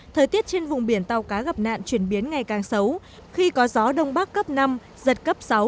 thời tiết trên vùng biển tàu cá gặp nạn chuyển biến ngày càng xấu khi có gió đông bắc cấp năm giật cấp sáu